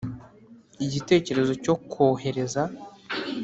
igitekerezo cyo kwohereza